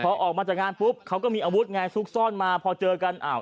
พอออกมาจากงานปุ๊บเขาก็มีอาวุธไงซุกซ่อนมาพอเจอกันอ้าว